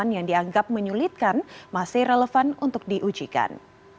yang dianggap menyulitkan masih relevan untuk diujikan